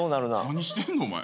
何してんのお前。